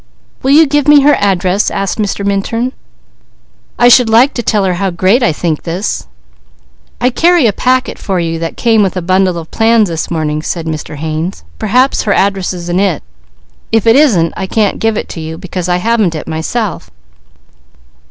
"Will you give me her address?" asked Mr. Minturn. "I should like to tell her how great I think this." "I carry a packet for you that came with a bundle of plans this morning," said Mr. Haynes. "Perhaps her address is in it. If it isn't, I can't give it to you, because I haven't it myself.